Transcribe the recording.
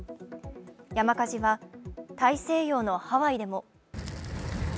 山火事は大西洋のハワイでも。